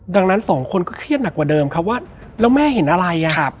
ดังนั้นสองคนก็เครียดหนักกว่าเดิมครับว่าแล้วแม่เห็นอะไร